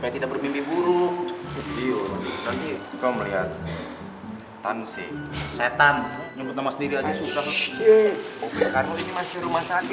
tidak bermimpi buruk kamu lihat tanseh setan nyemput nama sendiri aja susah